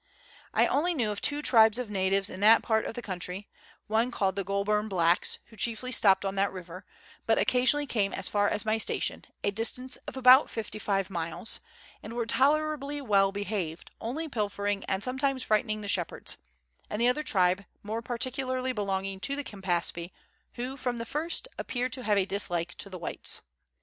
I only knew of two tribes of natives in that part of the country one called the Goulburn blacks, who chiefly stopped on that river, but occasionally came as far as my station, a distance of about 55 miles, and were tolerably well behaved, only pilfering and sometimes frightening the shepherds; and the other tribe more particularly belonging to the Campaspe, who, from the first, appeared to have a dislike to the whites.